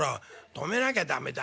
「止めなきゃ駄目だ。